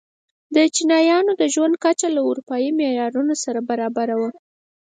د چینایانو د ژوند کچه له اروپايي معیارونو سره برابره وه.